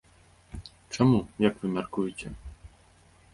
Чаму, як вы мяркуеце?